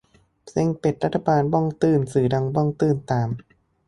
เซ็งเป็ด รัฐบาลบ้องตื้น สื่อดันบ้องตื้นตาม -_